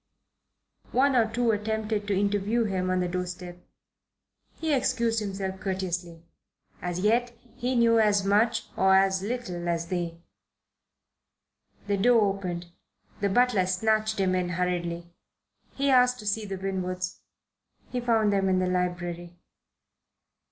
One or two attempted to interview him on the doorstep. He excused himself courteously. As yet he knew as much or as little as they. The door opened. The butler snatched him in hurriedly. He asked to see the Winwoods. He found them in the library.